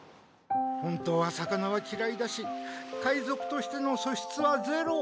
本当は魚はきらいだし海賊としてのそしつはゼロ。